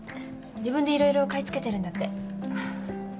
自分で色々買い付けてるんだって。